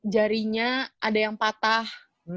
jarinya ada yang patah